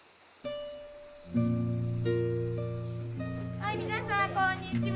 はい皆さんこんにちは。